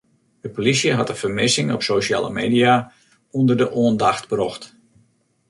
De polysje hat de fermissing op sosjale media ûnder de oandacht brocht.